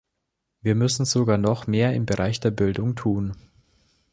Wir müssen sogar noch mehr im Bereich der Bildung tun.